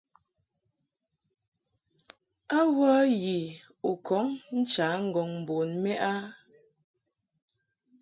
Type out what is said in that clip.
A wə yi u kɔŋ ncha ŋgɔŋ bun mɛʼ a?